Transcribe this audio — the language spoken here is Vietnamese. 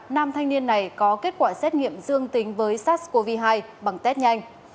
nam thanh niên này có kết quả xét nghiệm dương tính với sars cov hai bằng test nhanh